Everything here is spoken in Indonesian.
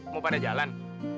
mau pada jalan